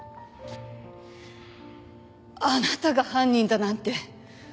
あなたが犯人だなんて。